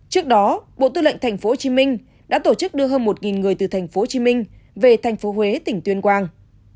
trước đó bộ tư lệnh tp hcm đã tổ chức đưa hơn một người từ tp hcm về thành phố huế tỉnh tuyên quang